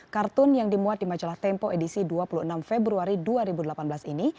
kartun yang dimuat di majalah tempo edisi dua puluh enam februari dua ribu delapan belas ini